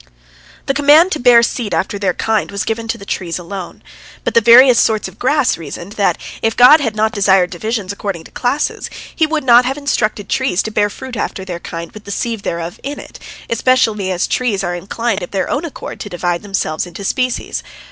" The command to bear seed after their kind was given to the trees alone. But the various sorts of grass reasoned, that if God had not desired divisions according to classes, He would not have instructed the trees to bear fruit after their kind with the seed thereof in it, especially as trees are inclined of their own accord to divide themselves into species.